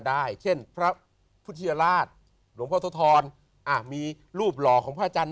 ได้เช่นพระพุทธยราชหลวงพ่อโสธรมีรูปหล่อของพระอาจารย์